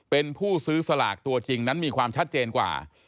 เป็นผู้ซื้อสลากตัวจริงนั้นมีความชัดเจนกว่า